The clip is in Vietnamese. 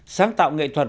sáng tạo nghệ thuật